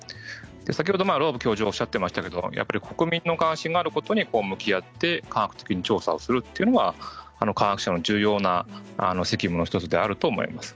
先ほどローブ教授もおっしゃっていましたが国民の関心があることに向き合って科学的に調査をするというのが科学者の重要な責務の１つであると思います。